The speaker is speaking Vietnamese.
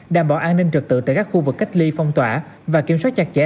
đảm bảo an ninh trực tự tại các khu vực cách ly phong tỏa và kiểm soát chặt chẽ